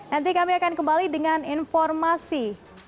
nanti kami akan kembali dengan informasi